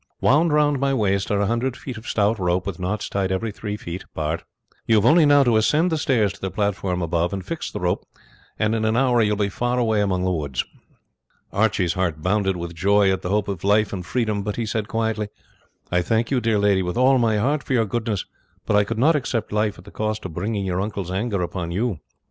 Wound round my waist are a hundred feet of stout rope, with knots tied three feet apart. We have only now to ascend the stairs to the platform above and fix the rope, and in an hour you will be far away among the woods." Archie's heart bounded with joy with the hope of life and freedom; but he said quietly, "I thank you, dear lady, with all my heart for your goodness; but I could not accept life at the cost of bringing your uncle's anger upon you."